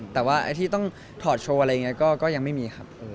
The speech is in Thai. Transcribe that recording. แต่ว่าไอ้ที่ต้องถอดโชว์อะไรอย่างนี้ก็ยังไม่มีครับ